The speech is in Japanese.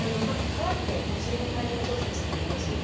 乾いて、それで体温調節にあります。